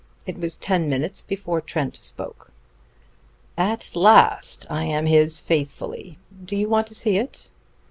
It was ten minutes before Trent spoke. "At last I am his faithfully. Do you want to see it?"